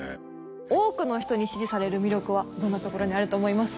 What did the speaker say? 多くの人に支持される魅力はどんなところにあると思いますか？